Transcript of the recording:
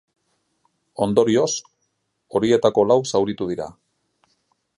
Ondorioz, horietako lau zauritu dira.